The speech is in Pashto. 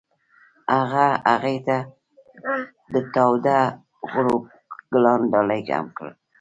هغه هغې ته د تاوده غروب ګلان ډالۍ هم کړل.